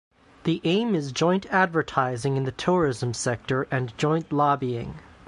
The aim is joint advertising in the tourism sector and joint lobbying.